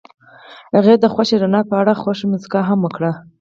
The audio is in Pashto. هغې د خوښ رڼا په اړه خوږه موسکا هم وکړه.